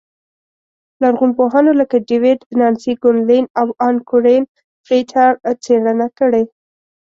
لرغونپوهانو لکه ډېوېډ، نانسي ګونلین او ان کورېن فرېټر څېړنه کړې